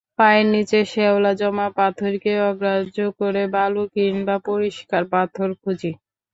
পায়ের নিচে শ্যাওলা জমা পাথরকে অগ্রাহ্য করে বালু কিংবা পরিষ্কার পাথর খঁুজি।